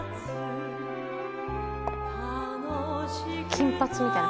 金髪みたいな。